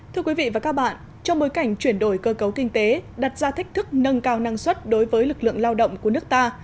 thưa quý vị và các bạn trong bối cảnh chuyển đổi cơ cấu kinh tế đặt ra thách thức nâng cao năng suất đối với lực lượng lao động của nước ta